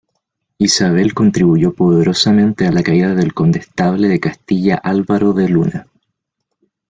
Isabel contribuyó poderosamente a la caída del condestable de Castilla Álvaro de Luna.